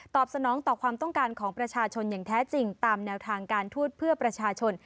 สนองต่อความต้องการของประชาชนอย่างแท้จริงตามแนวทางการทูตเพื่อประชาชน